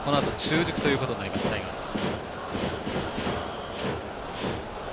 このあと中軸となりますタイガース。